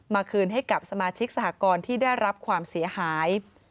คืนให้กับสมาชิกสหกรณ์ที่ได้รับความเสียหาย